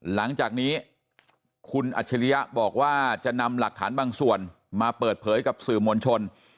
หลังจากนี้คุณอัจฉริยะบอกว่าจะนำหลักฐานบางส่วนมาเปิดเผยกับสื่อมวลชน